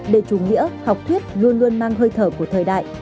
để chủ nghĩa học thuyết luôn luôn mang hơi thở của thời đại